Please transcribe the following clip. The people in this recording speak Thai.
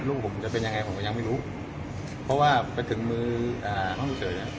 ลูกผมจะเป็นยังไงผมก็ยังไม่รู้เพราะว่าไปถึงมือฮะห้องเสือกน่ะ